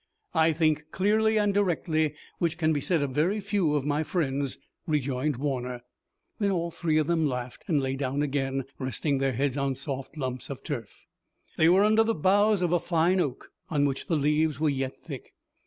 "I think clearly and directly, which can be said of very few of my friends," rejoined Warner. Then all three of them laughed and lay down again, resting their heads on soft lumps of turf. They were under the boughs of a fine oak, on which the leaves were yet thick.